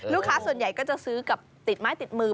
ลูกค้าส่วนใหญ่ก็จะซื้อกับติดไม้ติดมือ